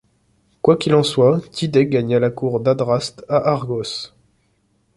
Quoi qu'il en soit, Tydée gagna la cour d'Adraste à Argos.